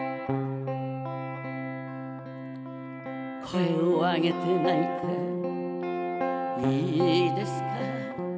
「声をあげて泣いていいですか」